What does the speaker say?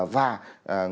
và ngồi đợi